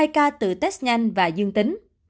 hai ca tự test nhanh và dương tính